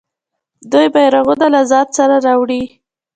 دوی بیرغونه له ځان سره راوړي.